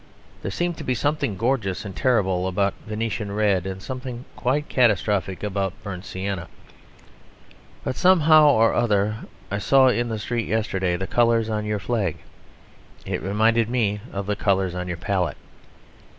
There seemed to be something gorgeous and terrible about Venetian Red; and something quite catastrophic about Burnt Sienna. But somehow or other, when I saw in the street yesterday the colours on your flag, it reminded me of the colours on your palette.